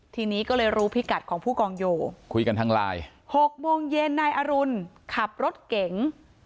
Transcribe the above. ทีนี้ก็เลยรู้พิกัดของผู้กองโยคุยกันทางไลน์๖โมงเย็นนายอรุณขับรถเก๋ง